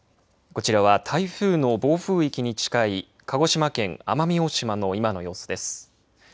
こちらは台風の暴風域に近い鹿児島県奄美大島の今の様子です。